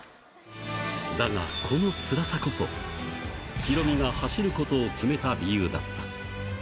だが、このつらさこそ、ヒロミが走ることを決めた理由だった。